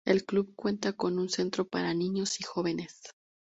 El club cuenta con un centro para niños y jóvenes.